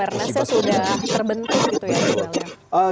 betul awarenessnya sudah terbentuk